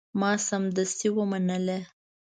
ما سمدستي ومنله.